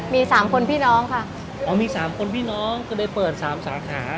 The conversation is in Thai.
มีสามคนพี่น้องค่ะอ๋อมีสามคนพี่น้องก็เลยเปิดสามสาขา